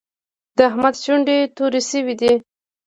د احمد شونډې تورې شوې دي.